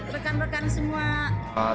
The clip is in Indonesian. selamat makan rekan rekan semua